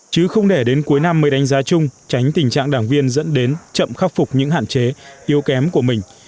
chứ không để đến cuối năm mới đánh giá chung tránh tình trạng đảng viên dẫn đến chậm khắc phục những hạn chế yếu kém của mình